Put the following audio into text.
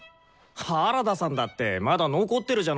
原田さんだってまだ残ってるじゃないですか。